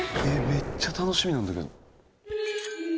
「めっちゃ楽しみなんだけど」